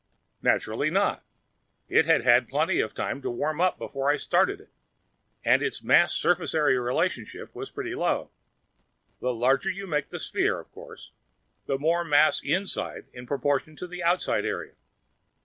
"Naturally not. It had had plenty of time to warm up before I started it. And its mass surface area relationship was pretty low the larger you make a sphere, of course, the more mass inside in proportion to the outside area."